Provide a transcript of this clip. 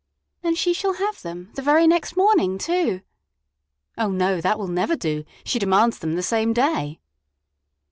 "And she shall have them; the very next morning, too." "Oh, no, that will never do. She demands them the same day."